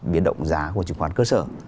biến động giá của trứng khoán cơ sở